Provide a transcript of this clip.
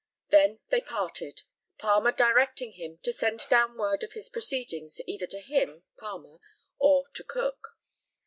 They then parted, Palmer directing him to send down word of his proceedings either to him (Palmer) or to Cook.